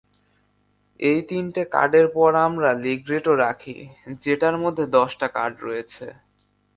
এই তিনটে কার্ডের পর, আমরা লিগ্রেটো রাখি, যেটার মধ্যে দশটা কার্ড রয়েছে।